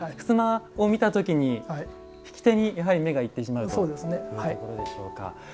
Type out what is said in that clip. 襖を見たときに引き手にやはり目がいってしまうというところでしょうか。